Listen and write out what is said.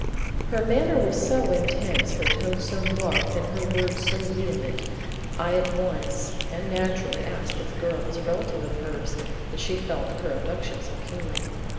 Her manner was so intense, her tone so marked and her words so vehement, I at once and naturally asked if the girl was a relative of hers that she felt her abduction so keenly.